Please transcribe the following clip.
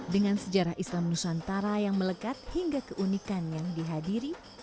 dengan sejarah islam nusantara yang melekat hingga keunikan yang dihadiri